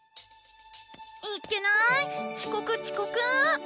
「いっけなーい遅刻遅刻！」。